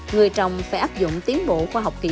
người trồng phải áp dụng tiến bộ khoa học kỹ thuật